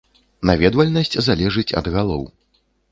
Наведвальнасць залежыць ад галоў.